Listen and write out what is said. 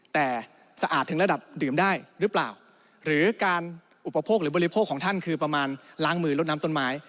แต่สะอาดถึงระดับดื่มได้หรือเปล่าหรือการอุปโภคหรือบริโภคของท่านคือประมาณล้างมือลดน้ำต้นไม้